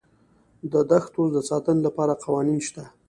د دښتو د ساتنې لپاره قوانین شته.